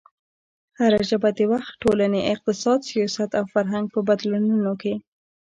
هره ژبه د وخت، ټولنې، اقتصاد، سیاست او فرهنګ په بدلونونو کې